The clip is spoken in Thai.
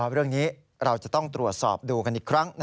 เรื่องนี้เราจะต้องตรวจสอบดูกันอีกครั้ง